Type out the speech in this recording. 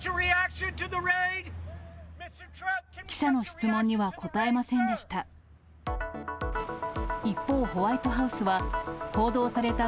記者の質問には答えませんでした。